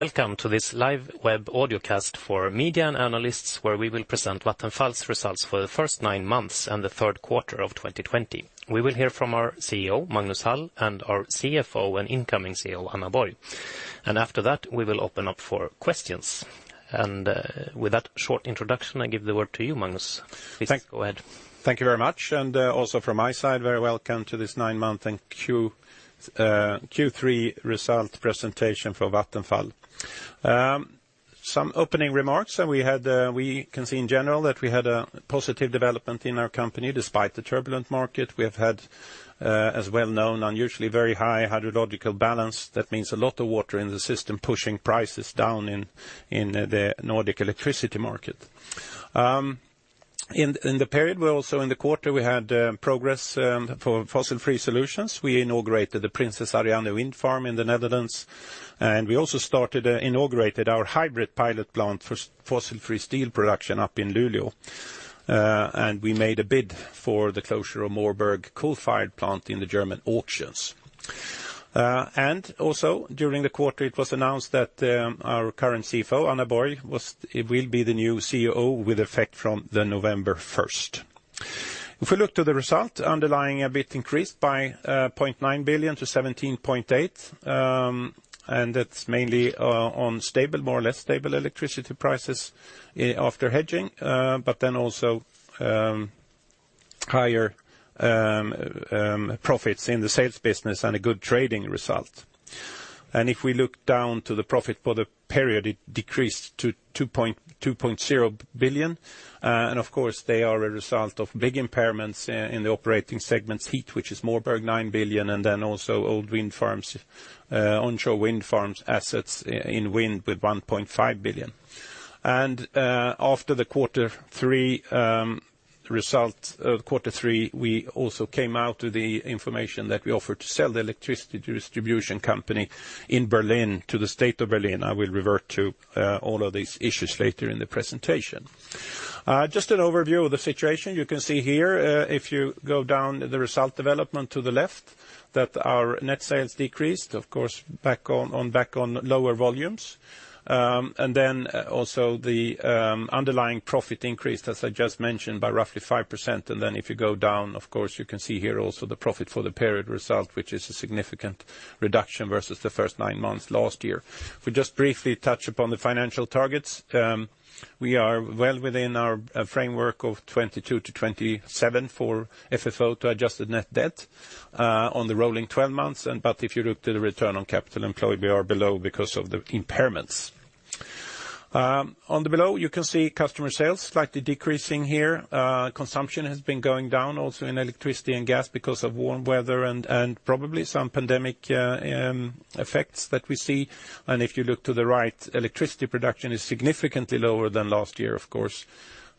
Welcome to this live web audio cast for media and analysts, where we will present Vattenfall's results for the first nine months and the Q3 of 2020. We will hear from our CEO, Magnus Hall, and our CFO and incoming CEO, Anna Borg. After that, we will open up for questions. With that short introduction, I give the word to you, Magnus. Please, go ahead. Thank you very much. Also from my side, very welcome to this nine-month and Q3 result presentation for Vattenfall. Some opening remarks. We can see in general that we had a positive development in our company despite the turbulent market. We have had, as well known, unusually very high hydrological balance. That means a lot of water in the system, pushing prices down in the Nordic electricity market. In the period, also in the quarter, we had progress for fossil-free solutions. We inaugurated the Prinses Ariane Wind Farm in the Netherlands, and we also inaugurated our hybrid pilot plant for fossil-free steel production up in Luleå. We made a bid for the closure of Moorburg coal-fired plant in the German auctions. Also during the quarter, it was announced that our current CFO, Anna Borg, will be the new CEO with effect from November 1st. If we look to the result, underlying EBIT increased by 0.9 billion to 17.8 billion, and that's mainly on more or less stable electricity prices after hedging, but then also higher profits in the sales business and a good trading result. If we look down to the profit for the period, it decreased to 2.0 billion. Of course, they are a result of big impairments in the operating segments heat, which is Moorburg, 9 billion, and then also old wind farms, onshore wind farms, assets in wind with 1.5 billion. After Q3, we also came out with the information that we offered to sell Stromnetz Berlin to the State of Berlin. I will revert to all of these issues later in the presentation. Just an overview of the situation. You can see here, if you go down the result development to the left, that our net sales decreased, of course, back on lower volumes. Also the underlying profit increased, as I just mentioned, by roughly 5%. If you go down, of course, you can see here also the profit for the period result, which is a significant reduction versus the first nine months last year. If we just briefly touch upon the financial targets. We are well within our framework of 22-27 for FFO to adjusted net debt on the rolling 12 months. If you look to the return on capital employed, we are below because of the impairments. On the below, you can see customer sales slightly decreasing here. Consumption has been going down also in electricity and gas because of warm weather and probably some pandemic effects that we see. If you look to the right, electricity production is significantly lower than last year, of course.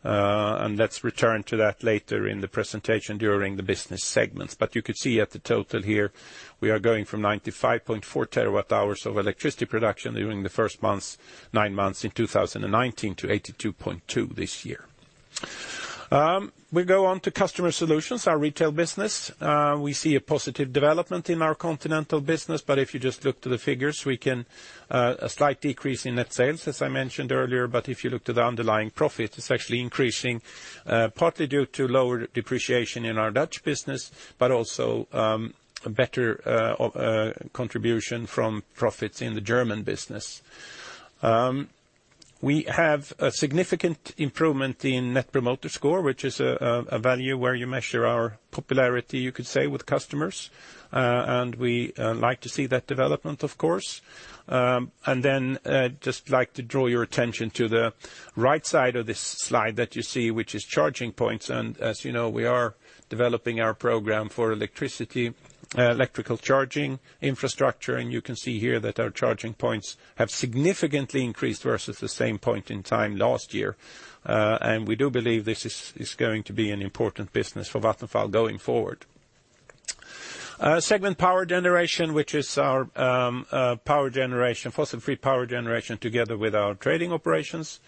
Let's return to that later in the presentation during the business segments. You could see at the total here, we are going from 95.4 terawatt-hours of electricity production during the first nine months in 2019 to 82.2 this year. We go on to customer solutions, our retail business. We see a positive development in our continental business, but if you just look to the figures, a slight decrease in net sales, as I mentioned earlier, but if you look to the underlying profit, it's actually increasing, partly due to lower depreciation in our Dutch business, but also a better contribution from profits in the German business. We have a significant improvement in Net Promoter Score, which is a value where you measure our popularity, you could say, with customers. We like to see that development, of course. Just like to draw your attention to the right side of this slide that you see, which is charging points. As you know, we are developing our program for electrical charging infrastructure. You can see here that our charging points have significantly increased versus the same point in time last year. We do believe this is going to be an important business for Vattenfall going forward. Segment power generation, which is our fossil-free power generation together with our trading operations.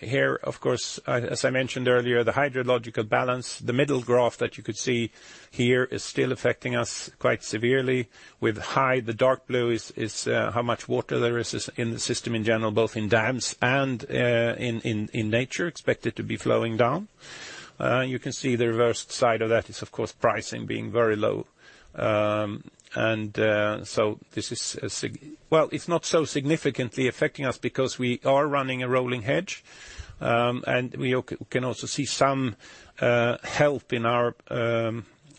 Here, of course, as I mentioned earlier, the hydrological balance, the middle graph that you could see here is still affecting us quite severely. The dark blue is how much water there is in the system in general, both in dams and in nature, expected to be flowing down. You can see the reverse side of that is, of course, pricing being very low. Well, it's not so significantly affecting us because we are running a rolling hedge, and we can also see some help in our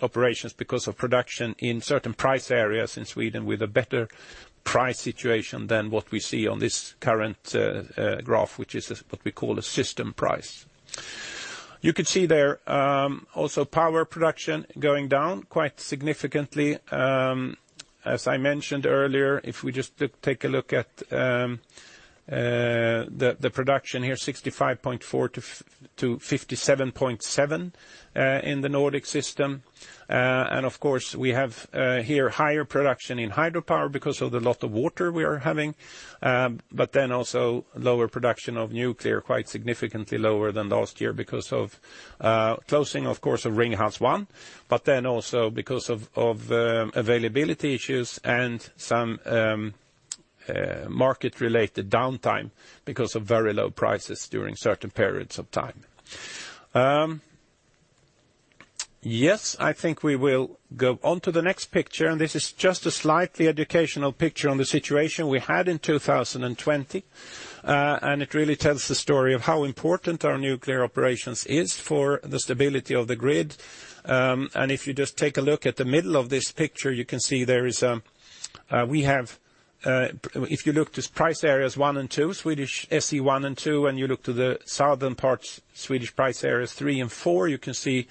operations because of production in certain price areas in Sweden with a better price situation than what we see on this current graph, which is what we call a system price. You could see there also power production going down quite significantly. As I mentioned earlier, if we just take a look at the production here, 65.4-57.7 in the Nordic system. Of course, we have here higher production in hydropower because of the lot of water we are having, but then also lower production of nuclear, quite significantly lower than last year because of closing, of course, of Ringhals 1, but then also because of availability issues and some market-related downtime because of very low prices during certain periods of time. I think we will go onto the next picture. This is just a slightly educational picture on the situation we had in 2020. It really tells the story of how important our nuclear operations is for the stability of the grid. If you just take a look at the middle of this picture, you can see if you look to price areas one and two, Swedish SE1 and 2 and you look to the southern parts, Swedish price areas three and four, you can see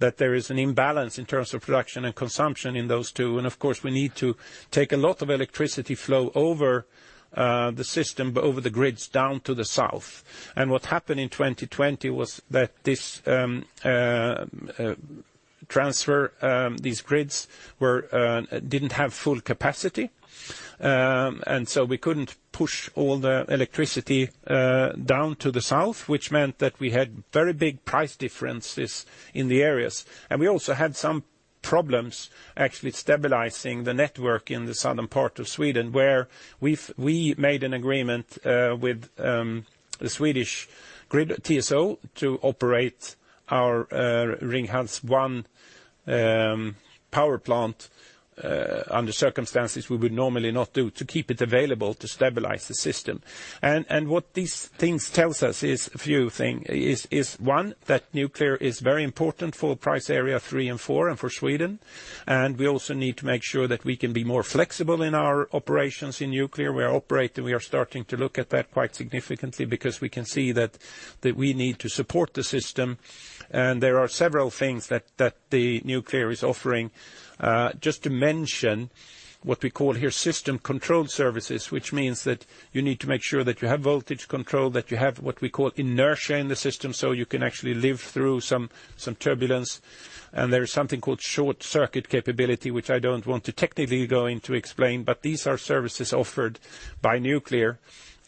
that there is an imbalance in terms of production and consumption in those two. Of course, we need to take a lot of electricity flow over the system, but over the grids down to the south. What happened in 2020 was that these grids didn't have full capacity. We couldn't push all the electricity down to the south, which meant that we had very big price differences in the areas. We also had some problems actually stabilizing the network in the southern part of Sweden, where we made an agreement with the Swedish grid, TSO, to operate our Ringhals one power plant under circumstances we would normally not do, to keep it available to stabilize the system. What these things tell us is a few things. One, that nuclear is very important for price area three and four and for Sweden. We also need to make sure that we can be more flexible in our operations in nuclear. We are starting to look at that quite significantly because we can see that we need to support the system. There are several things that the nuclear is offering. Just to mention what we call here system control services, which means that you need to make sure that you have voltage control, that you have what we call inertia in the system, so you can actually live through some turbulence. There is something called short circuit capability, which I don't want to technically go in to explain, but these are services offered by nuclear.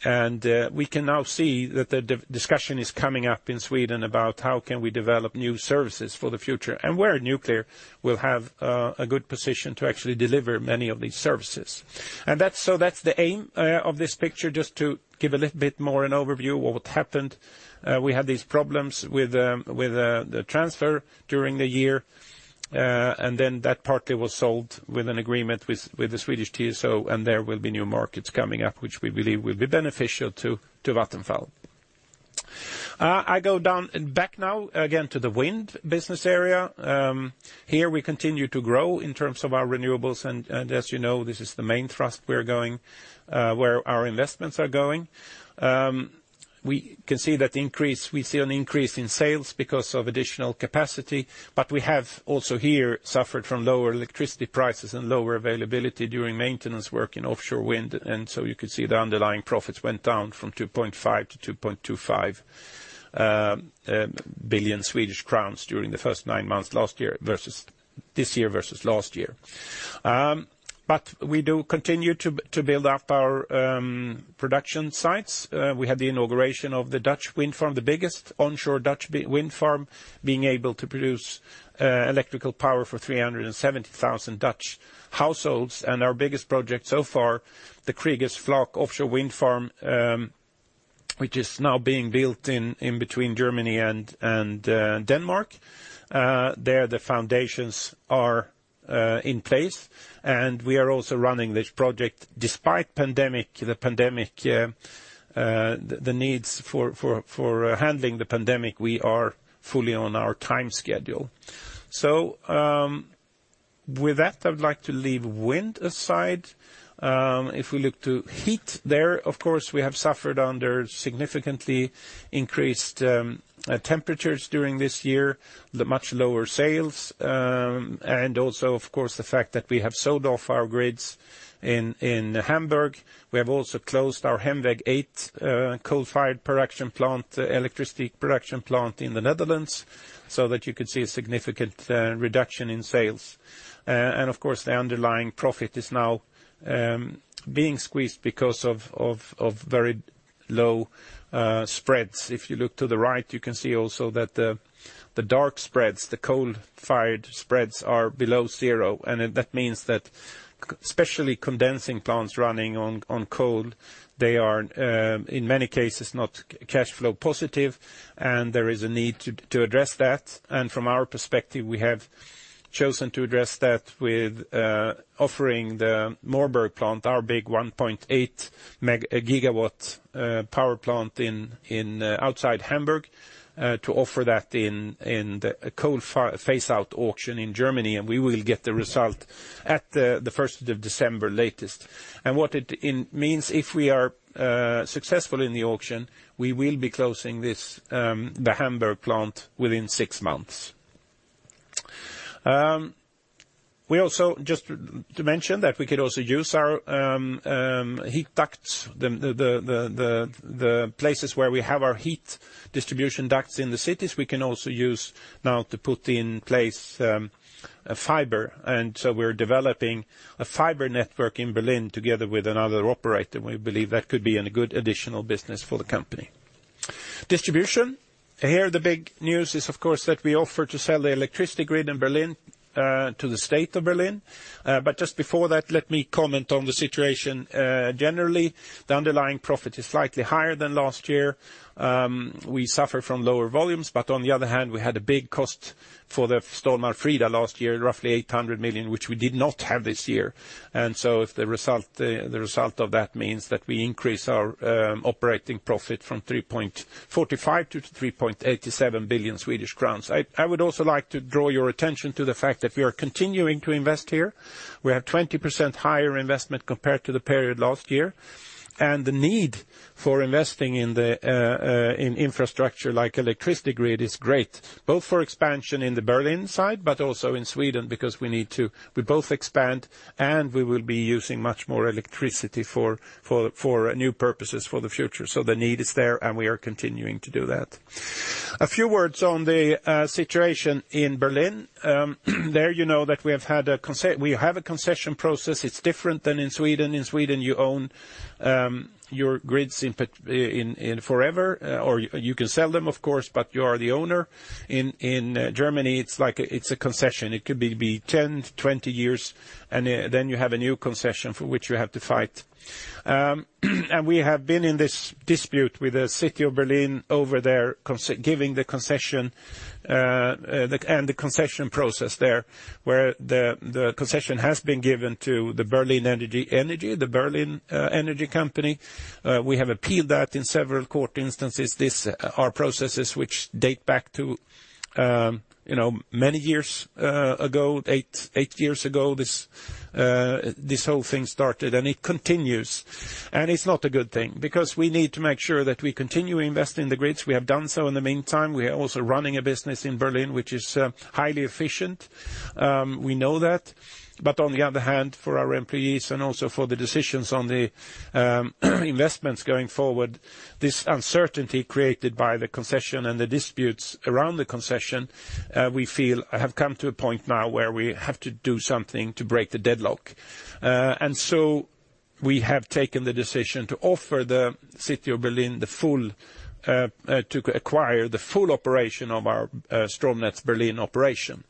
We can now see that the discussion is coming up in Sweden about how can we develop new services for the future and where nuclear will have a good position to actually deliver many of these services. That's the aim of this picture. Just to give a little bit more an overview of what happened. We had these problems with the transfer during the year. That partly was solved with an agreement with the Swedish TSO and there will be new markets coming up, which we believe will be beneficial to Vattenfall. I go back now again to the wind business area. Here we continue to grow in terms of our renewables, as you know, this is the main thrust where our investments are going. We see an increase in sales because of additional capacity, we have also here suffered from lower electricity prices and lower availability during maintenance work in offshore wind. You could see the underlying profits went down from 2.5 billion-2.25 billion Swedish crowns during the first nine months this year versus last year. We do continue to build up our production sites. We had the inauguration of Dutch Wind the biggest onshore Dutch Wind Farm, being able to produce electrical power for 370,000 Dutch households. Our biggest project so far, the Kriegers Flak Offshore Wind Farm, which is now being built in between Germany and Denmark. There, the foundations are in place, and we are also running this project despite the needs for handling the pandemic. We are fully on our time schedule. With that, I would like to leave wind aside. If we look to heat there, of course, we have suffered under significantly increased temperatures during this year, the much lower sales, and also, of course, the fact that we have sold off our grids in Hamburg. We have also closed our Hemweg 8 coal-fired electricity production plant in the Netherlands so that you could see a significant reduction in sales. Of course, the underlying profit is now being squeezed because of very low spreads. If you look to the right, you can see also that the dark spreads, the coal-fired spreads are below zero. That means that especially condensing plants running on coal, they are, in many cases, not cash flow positive, and there is a need to address that. From our perspective, we have chosen to address that with offering the Moorburg plant, our big 1.8 GW power plant outside Hamburg, to offer that in the coal phase-out auction in Germany, and we will get the result at the 1st of December latest. What it means, if we are successful in the auction, we will be closing the Hamburg plant within six months. Just to mention that we could also use our heat ducts, the places where we have our heat distribution ducts in the cities, we can also use now to put in place fiber. We're developing a fiber network in Berlin together with another operator. We believe that could be a good additional business for the company. Distribution. Here the big news is, of course, that we offer to sell the electricity grid in Berlin to the state of Berlin. Just before that, let me comment on the situation. Generally, the underlying profit is slightly higher than last year. We suffer from lower volumes, but on the other hand, we had a big cost for the Storm Alfrida last year, roughly 800 million, which we did not have this year. The result of that means that we increase our operating profit from 3.45 billion-3.87 billion Swedish crowns. I would also like to draw your attention to the fact that we are continuing to invest here. We have 20% higher investment compared to the period last year. The need for investing in infrastructure like electricity grid is great, both for expansion in Berlin, but also in Sweden, because we need to both expand and we will be using much more electricity for new purposes for the future. The need is there, and we are continuing to do that. A few words on the situation in Berlin. There you know that we have a concession process. It's different than in Sweden. In Sweden, you own your grids forever, or you can sell them, of course, but you are the owner. In Germany, it's a concession. It could be 10-20 years, and then you have a new concession for which you have to fight. We have been in this dispute with the city of Berlin over giving the concession, and the concession process there, where the concession has been given to Berlin Energie. We have appealed that in several court instances. These are processes which date back to many years ago, eight years ago, this whole thing started, and it continues. It's not a good thing, because we need to make sure that we continue investing in the grids. We have done so in the meantime. We are also running a business in Berlin, which is highly efficient. We know that. On the other hand, for our employees and also for the decisions on the investments going forward, this uncertainty created by the concession and the disputes around the concession, we feel have come to a point now where we have to do something to break the deadlock. So we have taken the decision to offer the city of Berlin to acquire the full operation of our Stromnetz Berlin operation.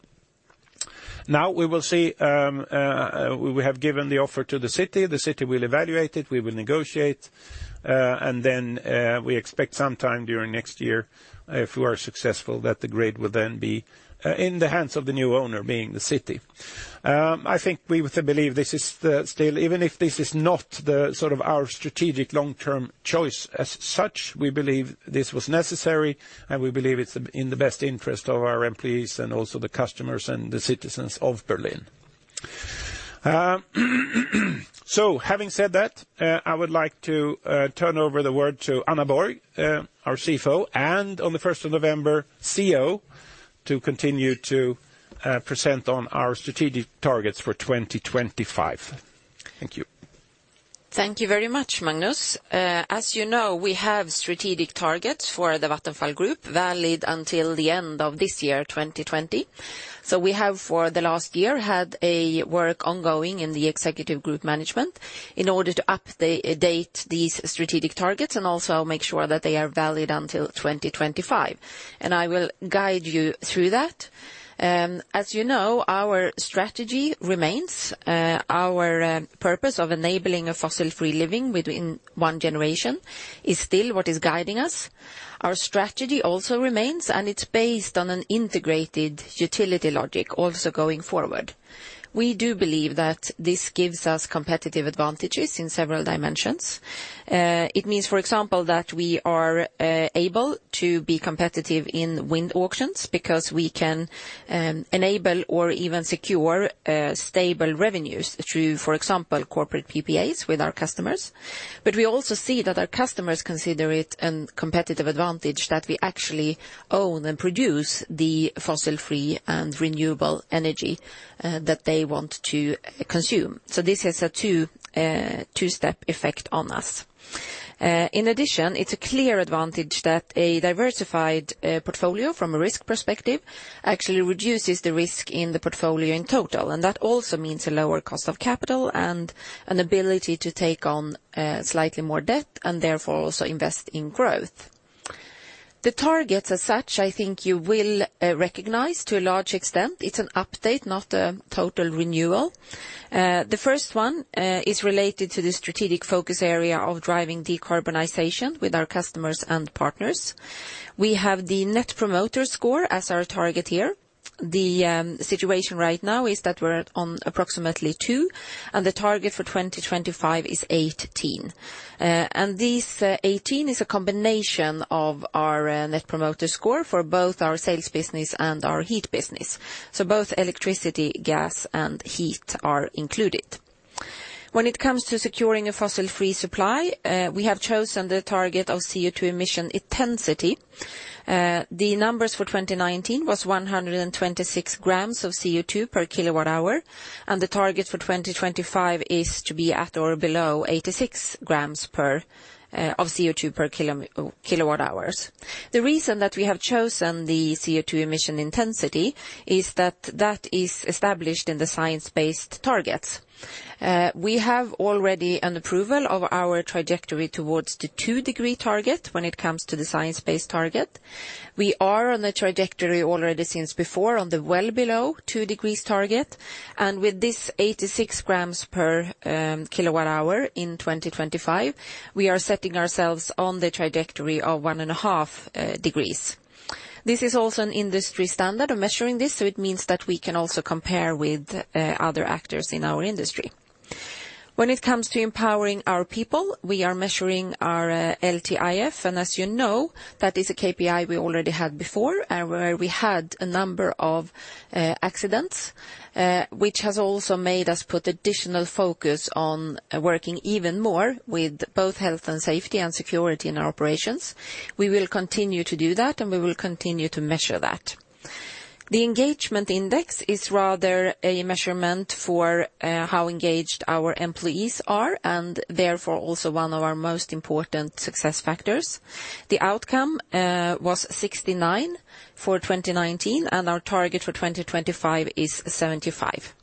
We will see, we have given the offer to the city. The city will evaluate it, we will negotiate, and then we expect sometime during next year, if we are successful, that the grid will then be in the hands of the new owner, being the city. I think we believe, even if this is not our strategic long-term choice as such, we believe this was necessary, and we believe it's in the best interest of our employees and also the customers and the citizens of Berlin. Having said that, I would like to turn over the word to Anna Borg, our CFO, and on the 1st of November, CEO, to continue to present on our strategic targets for 2025. Thank you. Thank you very much, Magnus. As you know, we have strategic targets for the Vattenfall Group valid until the end of this year, 2020. We have for the last year had a work ongoing in the executive group management in order to update these strategic targets and also make sure that they are valid until 2025. I will guide you through that. As you know, our strategy remains our purpose of enabling a fossil-free living within one generation is still what is guiding us. Our strategy also remains, and it's based on an integrated utility logic also going forward. We do believe that this gives us competitive advantages in several dimensions. It means, for example, that we are able to be competitive in wind auctions because we can enable or even secure stable revenues through, for example, corporate PPAs with our customers. We also see that our customers consider it a competitive advantage that we actually own and produce the fossil free and renewable energy that they want to consume. This has a two-step effect on us. In addition, it's a clear advantage that a diversified portfolio from a risk perspective actually reduces the risk in the portfolio in total. That also means a lower cost of capital and an ability to take on slightly more debt and therefore also invest in growth. The targets as such, I think you will recognize to a large extent, it's an update, not a total renewal. The first one is related to the strategic focus area of driving decarbonization with our customers and partners. We have the Net Promoter Score as our target here. The situation right now is that we're on approximately two, and the target for 2025 is 18. This 18 is a combination of our Net Promoter Score for both our sales business and our heat business. Both electricity, gas, and heat are included. When it comes to securing a fossil-free supply, we have chosen the target of CO2 emission intensity. The numbers for 2019 was 126 g of CO2 per kilowatt hour, and the target for 2025 is to be at or below 86 g of CO2 per kilowatt hours. The reason that we have chosen the CO2 emission intensity is that that is established in the Science Based Targets. We have already an approval of our trajectory towards the two-degree target when it comes to the science-based target. We are on a trajectory already since before on the well below two degrees target. With this 86 g per kilowatt hour in 2025, we are setting ourselves on the trajectory of 1.5 degrees. This is also an industry standard of measuring this, so it means that we can also compare with other actors in our industry. When it comes to empowering our people, we are measuring our LTIF, and as you know, that is a KPI we already had before, and where we had a number of accidents, which has also made us put additional focus on working even more with both health and safety and security in our operations. We will continue to do that, and we will continue to measure that. The engagement index is rather a measurement for how engaged our employees are, and therefore also one of our most important success factors. The outcome was 69 for 2019, and our target for 2025 is 75.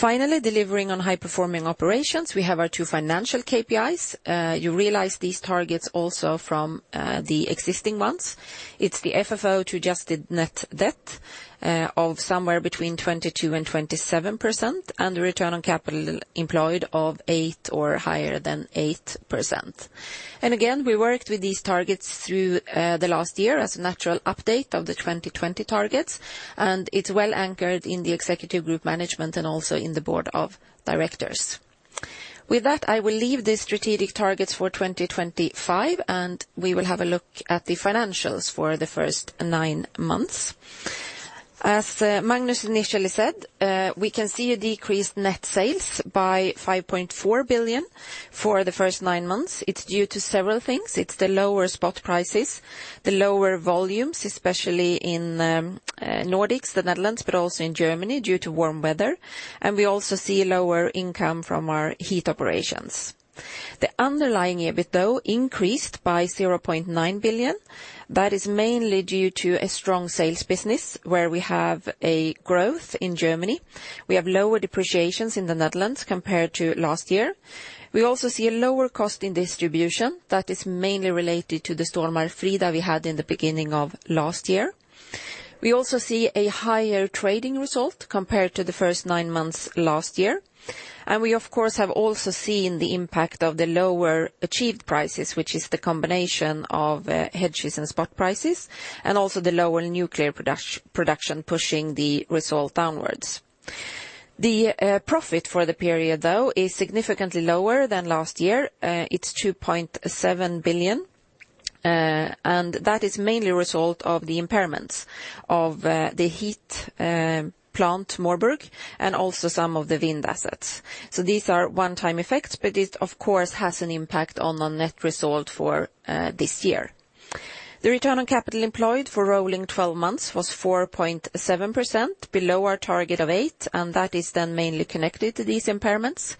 Delivering on high-performing operations, we have our two financial KPIs. You realize these targets also from the existing ones. It's the FFO to adjusted net debt of somewhere between 22% and 27%, and the return on capital employed of 8% or higher than 8%. Again, we worked with these targets through the last year as a natural update of the 2020 targets, and it's well anchored in the executive group management and also in the board of directors. With that, I will leave the strategic targets for 2025, and we will have a look at the financials for the first nine months. As Magnus initially said, we can see a decreased net sales by 5.4 billion for the first nine months. It's due to several things. It's the lower spot prices, the lower volumes, especially in Nordics, the Netherlands, but also in Germany due to warm weather. We also see lower income from our heat operations. The underlying EBIT, though, increased by 0.9 billion. That is mainly due to a strong sales business where we have a growth in Germany. We have lower depreciations in the Netherlands compared to last year. We also see a lower cost in distribution that is mainly related to the storm Alfrida we had in the beginning of last year. We also see a higher trading result compared to the first nine months last year. We of course have also seen the impact of the lower achieved prices, which is the combination of hedges and spot prices, and also the lower nuclear production pushing the result downwards. The profit for the period, though, is significantly lower than last year. It's 2.7 billion, that is mainly a result of the impairments of the heat plant Moorburg and also some of the wind assets. These are one-time effects, it of course has an impact on our net result for this year. The return on capital employed for rolling 12 months was 4.7%, below our target of 8%, that is mainly connected to these impairments.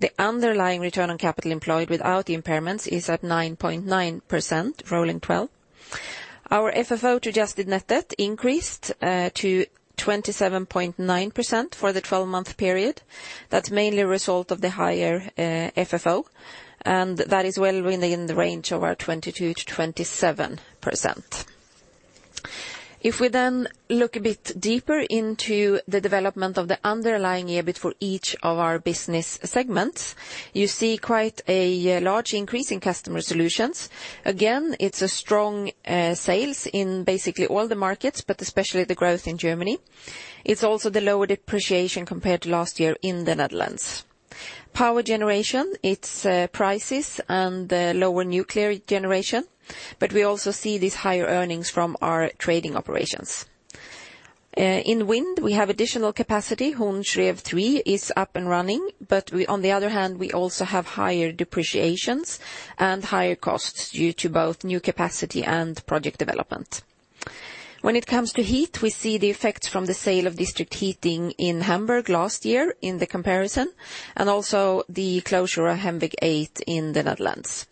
The underlying return on capital employed without the impairments is at 9.9% rolling 12. Our FFO to adjusted net debt increased to 27.9% for the 12-month period. That's mainly a result of the higher FFO, that is well within the range of our 22%-27%. If we look a bit deeper into the development of the underlying EBIT for each of our business segments, you see quite a large increase in customer solutions. It's strong sales in basically all the markets, but especially the growth in Germany. It's also the lower depreciation compared to last year in the Netherlands. Power generation, it's prices and the lower nuclear generation. We also see these higher earnings from our trading operations. In wind, we have additional capacity. Horns Rev 3 is up and running. On the other hand, we also have higher depreciations and higher costs due to both new capacity and project development. When it comes to heat, we see the effects from the sale of district heating in Hamburg last year in the comparison. Also the closure of Hemweg 8 in the Netherlands.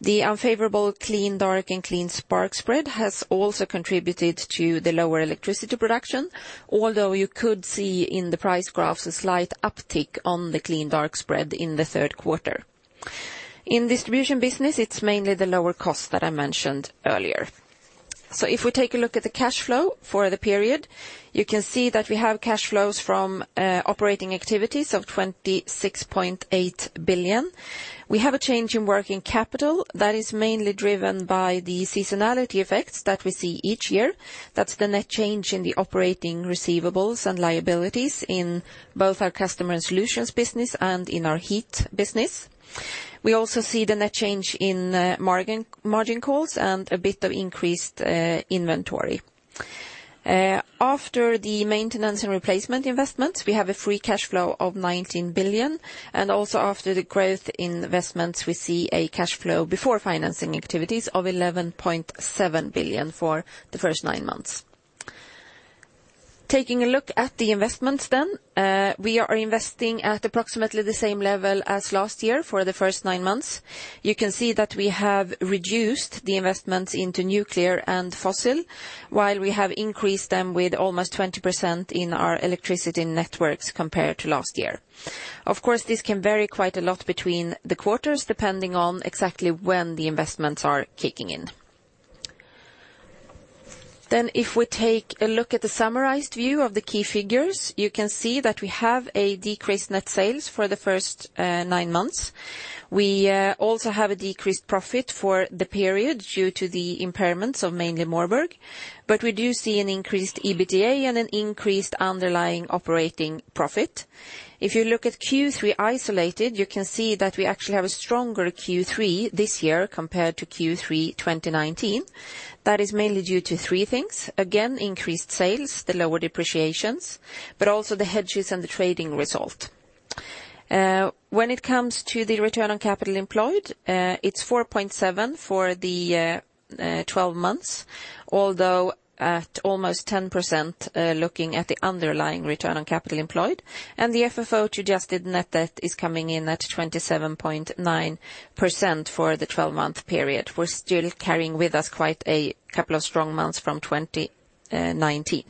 The unfavorable clean dark and clean spark spread has also contributed to the lower electricity production, although you could see in the price graphs a slight uptick on the clean dark spread in the Q3. In distribution business, it's mainly the lower cost that I mentioned earlier. If we take a look at the cash flow for the period, you can see that we have cash flows from operating activities of 26.8 billion. We have a change in working capital that is mainly driven by the seasonality effects that we see each year. That's the net change in the operating receivables and liabilities in both our customer and solutions business and in our heat business. We also see the net change in margin calls and a bit of increased inventory. After the maintenance and replacement investments, we have a free cash flow of 19 billion. Also after the growth investments, we see a cash flow before financing activities of 11.7 billion for the first nine months. Taking a look at the investments, we are investing at approximately the same level as last year for the first nine months. You can see that we have reduced the investments into nuclear and fossil, while we have increased them with almost 20% in our electricity networks compared to last year. Of course, this can vary quite a lot between the quarters, depending on exactly when the investments are kicking in. If we take a look at the summarized view of the key figures, you can see that we have a decreased net sales for the first nine months. We also have a decreased profit for the period due to the impairments of mainly Moorburg. We do see an increased EBITDA and an increased underlying operating profit. If you look at Q3 isolated, you can see that we actually have a stronger Q3 this year compared to Q3 2019. That is mainly due to three things. Again, increased sales, the lower depreciations, also the hedges and the trading result. When it comes to the return on capital employed, it's 4.7% for the 12 months, although at almost 10% looking at the underlying return on capital employed. The FFO to adjusted net debt is coming in at 27.9% for the 12-month period. We're still carrying with us quite a couple of strong months from 2019.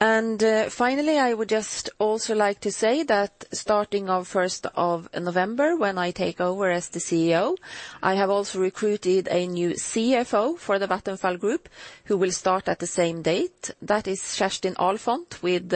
Finally, I would just also like to say that starting of first of November, when I take over as the CEO, I have also recruited a new CFO for the Vattenfall Group who will start at the same date. That is Kerstin Ahlfont, with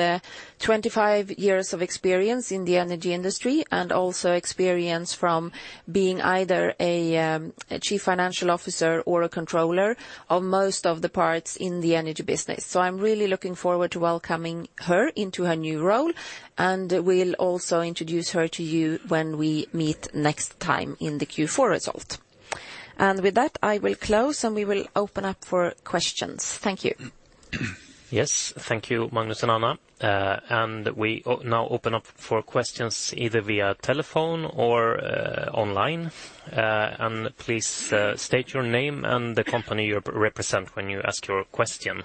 25 years of experience in the energy industry and also experience from being either a chief financial officer or a controller of most of the parts in the energy business. I'm really looking forward to welcoming her into her new role, will also introduce her to you when we meet next time in the Q4 result. With that, I will close and we will open up for questions. Thank you. Yes. Thank you, Magnus and Anna. We now open up for questions either via telephone or online. Please state your name and the company you represent when you ask your question.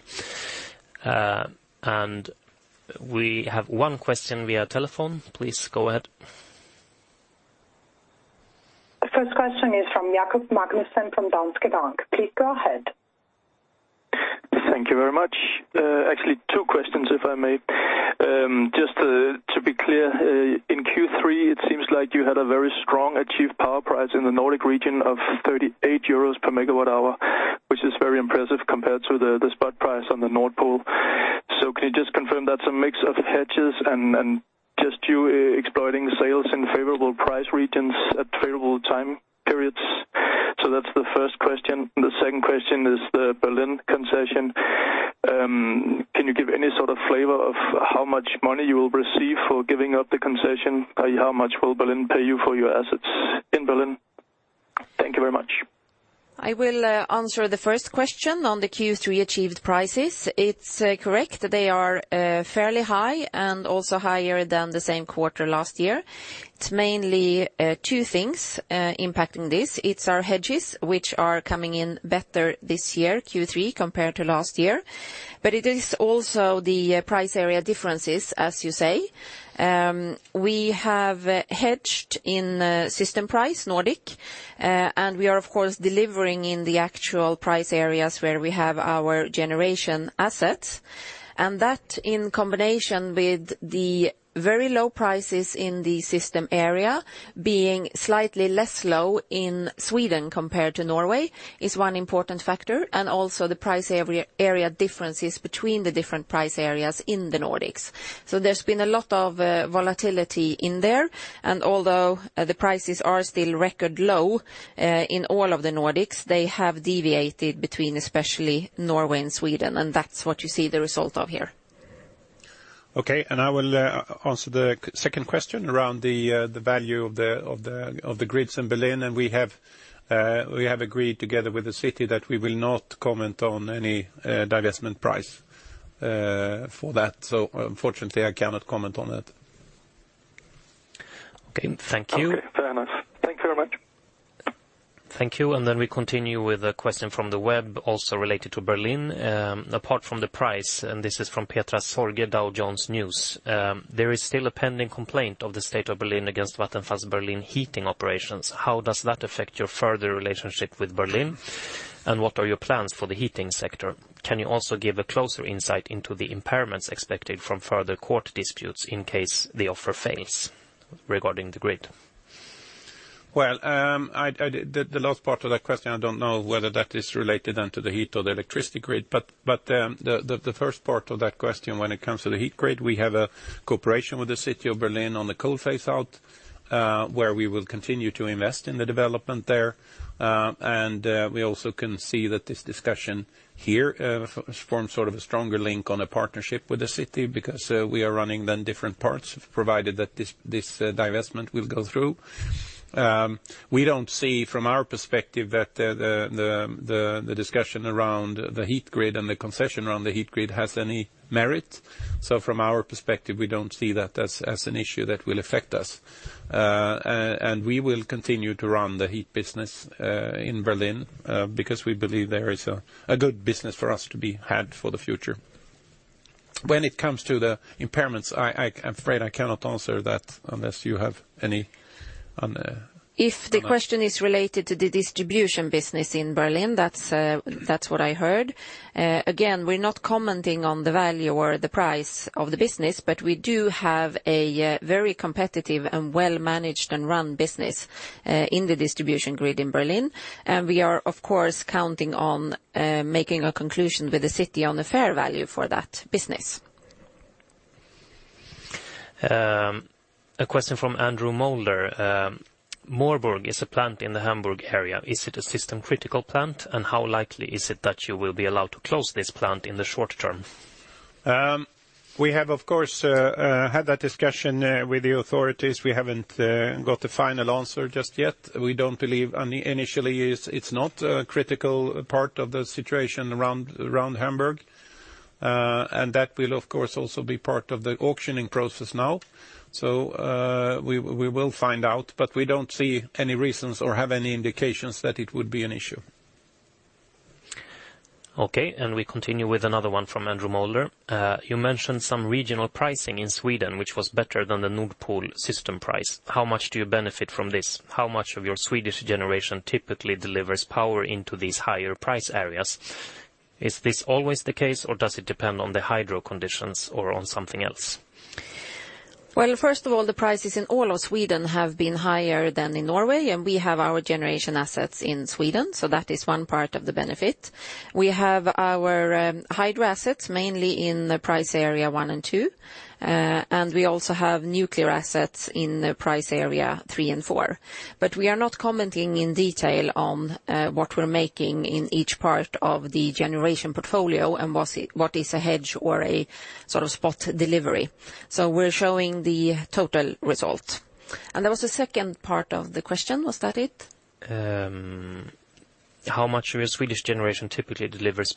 We have one question via telephone. Please go ahead. The first question is from Jakob Magnussen from Danske Bank. Please go ahead. Thank you very much. Actually, two questions, if I may. Just to be clear, in Q3, it seems like you had a very strong achieved power price in the Nordic region of 38 euros per megawatt hour, which is very impressive compared to the spot price on the Nord Pool. Can you just confirm that's a mix of hedges and just you exploiting sales in favorable price regions at favorable time periods? That's the first question. The second question is the Berlin concession. Can you give any sort of flavor of how much money you will receive for giving up the concession? How much will Berlin pay you for your assets in Berlin? Thank you very much. I will answer the first question on the Q3 achieved prices. It's correct. They are fairly high and also higher than the same quarter last year. It's mainly two things impacting this. It's our hedges, which are coming in better this year, Q3, compared to last year. It is also the price area differences, as you say. We have hedged in system price Nordic, we are of course, delivering in the actual price areas where we have our generation assets. That in combination with the very low prices in the system area being slightly less low in Sweden compared to Norway is one important factor. Also the price area differences between the different price areas in the Nordics. There's been a lot of volatility in there, and although the prices are still record low in all of the Nordics, they have deviated between especially Norway and Sweden. That's what you see the result of here. I will answer the second question around the value of the grids in Berlin. We have agreed together with the city that we will not comment on any divestment price for that. Unfortunately, I cannot comment on that. Okay. Thank you. Okay, fair enough. Thanks very much. Thank you. We continue with a question from the web, also related to Berlin. Apart from the price, this is from Petra Sorge, Dow Jones Newswires. There is still a pending complaint of the State of Berlin against Vattenfall's Berlin heating operations. How does that affect your further relationship with Berlin? What are your plans for the heating sector? Can you also give a closer insight into the impairments expected from further court disputes in case the offer fails regarding the grid? The last part of that question, I don't know whether that is related to the heat or the electricity grid. The first part of that question, when it comes to the heat grid, we have a cooperation with the City of Berlin on the coal phase out, where we will continue to invest in the development there. We also can see that this discussion here forms sort of a stronger link on a partnership with the city because we are running different parts, provided that this divestment will go through. We don't see from our perspective that the discussion around the heat grid and the concession around the heat grid has any merit. From our perspective, we don't see that as an issue that will affect us. We will continue to run the heat business in Berlin because we believe there is a good business for us to be had for the future. When it comes to the impairments, I'm afraid I cannot answer that unless you have any. If the question is related to the distribution business in Berlin, that's what I heard. Again, we're not commenting on the value or the price of the business, but we do have a very competitive and well-managed and run business in the distribution grid in Berlin. We are, of course, counting on making a conclusion with the city on the fair value for that business. A question from Andrew Moulder. Moorburg is a plant in the Hamburg area. Is it a system critical plant? How likely is it that you will be allowed to close this plant in the short term? We have, of course, had that discussion with the authorities. We haven't got a final answer just yet. We don't believe any initially, it's not a critical part of the situation around Hamburg. That will, of course, also be part of the auctioning process now. We will find out, but we don't see any reasons or have any indications that it would be an issue. Okay, we continue with another one from Andrew Moulder. You mentioned some regional pricing in Sweden, which was better than the Nord Pool system price. How much do you benefit from this? How much of your Swedish generation typically delivers power into these higher price areas? Is this always the case, or does it depend on the hydro conditions or on something else? Well, first of all, the prices in all of Sweden have been higher than in Norway, and we have our generation assets in Sweden. That is one part of the benefit. We have our hydro assets, mainly in the price area one and two. We also have nuclear assets in price area three and four. We are not commenting in detail on what we're making in each part of the generation portfolio and what is a hedge or a sort of spot delivery. We're showing the total result. There was a second part of the question. Was that it? How much of your Swedish generation typically delivers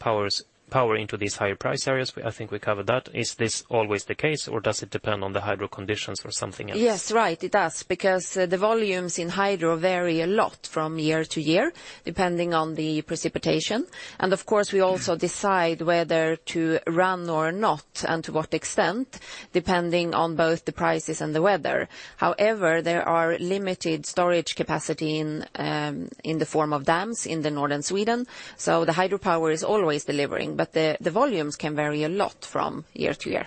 power into these higher price areas? I think we covered that. Is this always the case, or does it depend on the hydro conditions or something else? Yes. Right, it does, because the volumes in hydro vary a lot from year to year, depending on the precipitation. Of course, we also decide whether to run or not, and to what extent, depending on both the prices and the weather. However, there are limited storage capacity in the form of dams in northern Sweden. The hydropower is always delivering, but the volumes can vary a lot from year to year.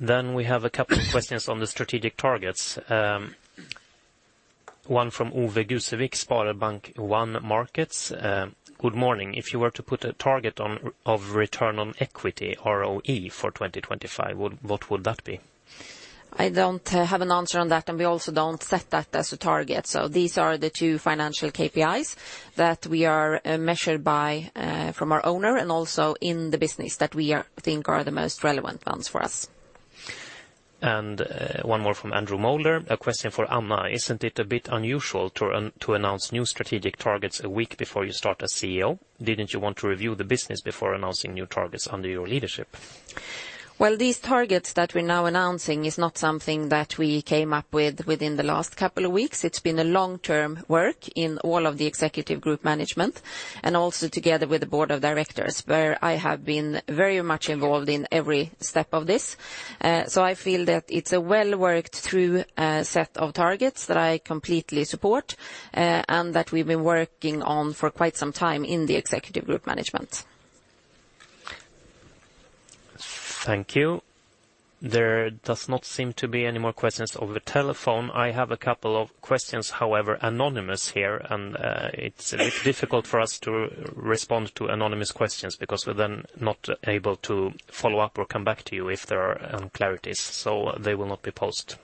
We have a couple of questions on the strategic targets. One from Ove Gusevik, SpareBank 1 Markets. Good morning. If you were to put a target of return on equity, ROE, for 2025, what would that be? I don't have an answer on that, and we also don't set that as a target. These are the two financial KPIs that we are measured by from our owner and also in the business that we think are the most relevant ones for us. One more from Andrew Moulder, a question for Anna. Isn't it a bit unusual to announce new strategic targets a week before you start as CEO? Didn't you want to review the business before announcing new targets under your leadership? Well, these targets that we're now announcing is not something that we came up with within the last couple of weeks. It's been a long-term work in all of the executive group management and also together with the board of directors, where I have been very much involved in every step of this. I feel that it's a well-worked through set of targets that I completely support and that we've been working on for quite some time in the executive group management. Thank you. There does not seem to be any more questions over telephone. I have a couple of questions, however, anonymous here. It's a bit difficult for us to respond to anonymous questions because we're then not able to follow up or come back to you if there are unclarities. They will not be posted.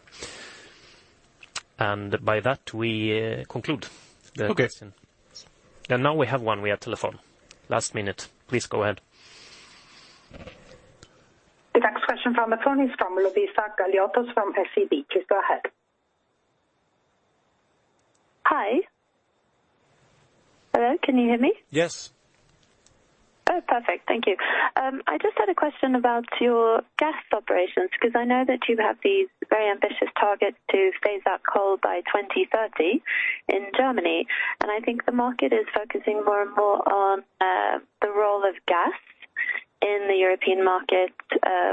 By that, we conclude the question. Okay. Now we have one via telephone. Last minute. Please go ahead. The next question from the phone is from Lovisa Forslöf Galiotos from SEB. Please go ahead. Hi. Hello, can you hear me? Hi. Can you hear me? Yes. Oh, perfect. Thank you. I just had a question about your gas operations, because I know that you have these very ambitious targets to phase out coal by 2030 in Germany. I think the market is focusing more and more on the role of gas in the European market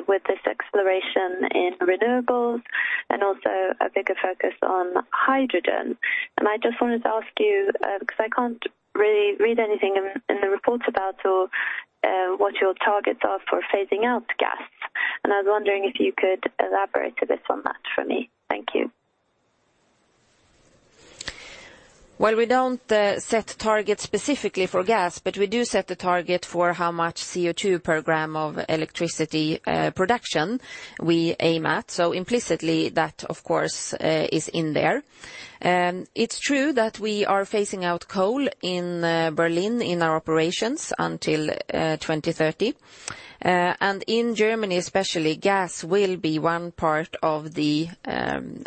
with this exploration in renewables and also a bigger focus on hydrogen. I just wanted to ask you, because I can't really read anything in the reports about what your targets are for phasing out gas. I was wondering if you could elaborate a bit on that for me. Thank you. Well, we don't set targets specifically for gas, but we do set the target for how much CO2 per gram of electricity production we aim at. Implicitly, that of course, is in there. It's true that we are phasing out coal in Berlin in our operations until 2030. In Germany especially, gas will be one part of the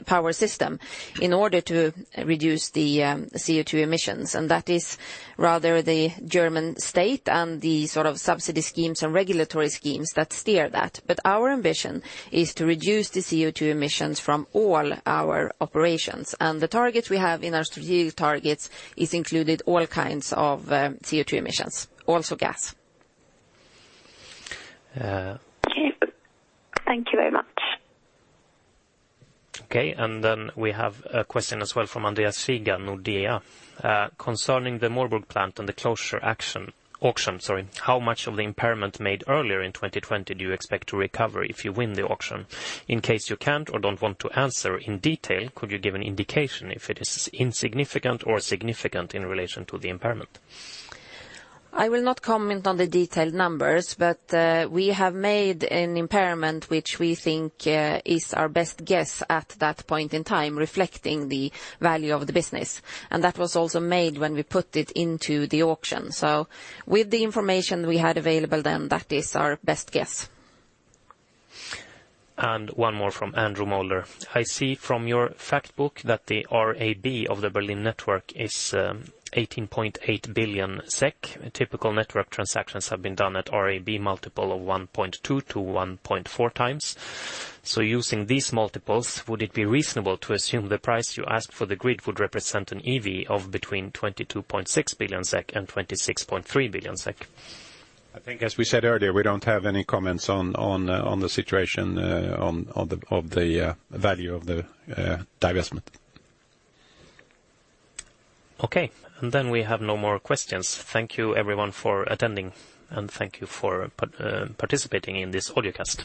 power system in order to reduce the CO2 emissions. That is rather the German state and the sort of subsidy schemes and regulatory schemes that steer that. Our ambition is to reduce the CO2 emissions from all our operations. The targets we have in our strategic targets is included all kinds of CO2 emissions, also gas. Okay. Thank you very much. Okay, we have a question as well from Andreas Zsiga, Nordea. Concerning the Moorburg plant and the closure auction, how much of the impairment made earlier in 2020 do you expect to recover if you win the auction? In case you can't or don't want to answer in detail, could you give an indication if it is insignificant or significant in relation to the impairment? I will not comment on the detailed numbers, we have made an impairment which we think is our best guess at that point in time, reflecting the value of the business. That was also made when we put it into the auction. With the information we had available then, that is our best guess. One more from Andrew Moulder. I see from your fact book that the RAB of the Berlin network is 18.8 billion SEK. Typical network transactions have been done at RAB multiple of 1.2x-1.4x. Using these multiples, would it be reasonable to assume the price you asked for the grid would represent an EV of between 22.6 billion SEK and 26.3 billion SEK? I think as we said earlier, we don't have any comments on the situation of the value of the divestment. Okay. We have no more questions. Thank you everyone for attending, and thank you for participating in this audio cast.